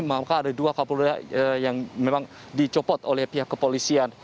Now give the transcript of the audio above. maka ada dua kapolda yang memang dicopot oleh pihak kepolisian